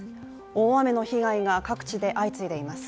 大雨の被害が各地で相次いでいます。